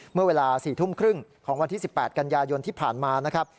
เมื่อเวลา๔ทุ่มครึ่งของวันที่๑๘กันยายนที่ผ่านมานะครับ